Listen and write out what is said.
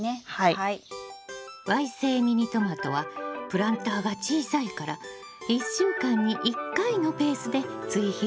わい性ミニトマトはプランターが小さいから１週間に１回のペースで追肥するのよ。